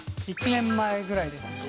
１年前ぐらいです